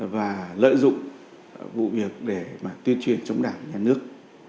và lợi dụng vụ việc để mà tuyên truyền chống đảng nhà nước